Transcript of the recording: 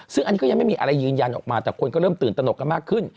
ซึ่งอันนี้ก็ยังไม่มีอะไรยืนยันออกมาแต่คนก็เริ่มตื่นตนกกันมากขึ้น